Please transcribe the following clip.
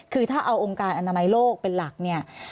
คือถ้าเอาองค์การอนามัยโลกเป็นหลักเนี่ย